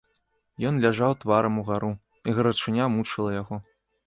Ён ляжаў тварам угару, і гарачыня мучыла яго.